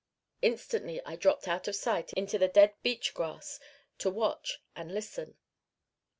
Instantly I dropped out of sight into the dead beach grass to watch and listen.